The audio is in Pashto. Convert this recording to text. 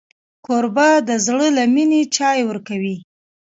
کوربه د زړه له مینې چای ورکوي.